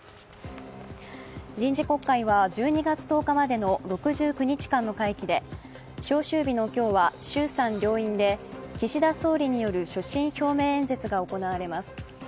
臨時国会は１２月１０日までの６９日間の会期で、召集日の今日は衆参両院で岸田総理による所信表明演説が行われます。